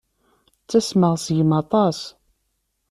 Ttasmeɣ seg-m aṭas.